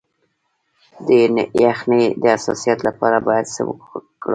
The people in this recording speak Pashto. د یخنۍ د حساسیت لپاره باید څه وکړم؟